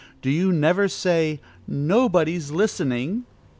Do you never say, "Nobody is listening"?